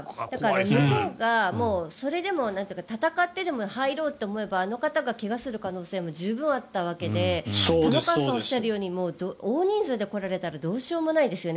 向こうがそれでも戦ってでも入ろうと思えばあの方が怪我をする可能性も十分あったわけで玉川さんがおっしゃるように大人数で来られたらどうしようもないですよね。